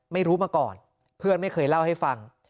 ไม่รู้มาก่อนเพื่อนไม่เคยเล่าให้ฟัง